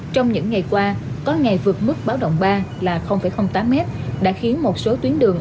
trong những ngày qua có ngày vượt mức báo động ba là tám m đã khiến một số tuyến đường